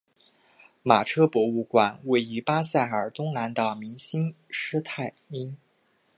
马车博物馆位于巴塞尔东南的明兴施泰因。